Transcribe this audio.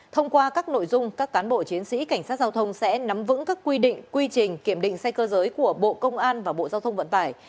thông qua các nội dung các cán bộ chiến sĩ cảnh sát giao thông sẽ nắm vững các quy định quy trình kiểm định xe cơ giới của bộ công an và bộ giao thông vận tải